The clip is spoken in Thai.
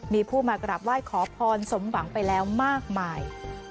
มีผู้มากราบไหว้ขอพรสมหวังไปแล้วมากมาย